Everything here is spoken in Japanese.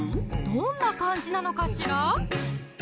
どんな感じなのかしら？